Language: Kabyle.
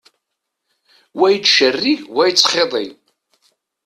Wa yettcerrig, wa yettxiḍi.